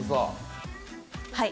はい。